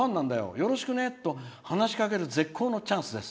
よろしくねと話しかける絶好のチャンスです。